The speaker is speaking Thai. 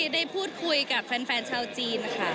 ได้พูดคุยกับแฟนชาวจีนค่ะ